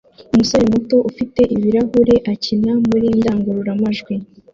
Umusore muto ufite ibirahure akina muri indangurura majwi